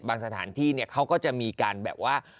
สถานที่เนี่ยเขาก็จะมีการแบบว่า